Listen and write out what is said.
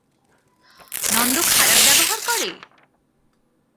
নন্দ খারাপ ব্যবহার করে?